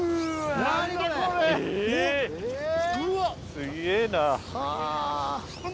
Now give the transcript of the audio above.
すげぇな。